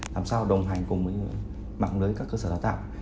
làm sao đồng hành cùng với mạng lưới các cơ sở đào tạo